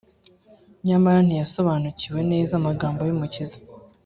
Nyamara ntiyasobonukiwe neza amagambo y’Umukiza